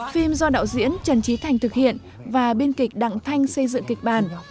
phim do đạo diễn trần trí thành thực hiện và biên kịch đặng thanh xây dựng kịch bản